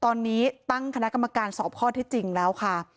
ตอนนี้ตั้งคณะกรรมการสอบข้อที่จริงแล้วค่ะ